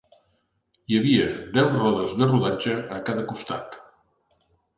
Hi havia deu rodes de rodatge a cada costat.